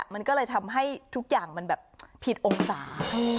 มันก็เลยทำให้ทุกอย่างมันแบบผิดองศา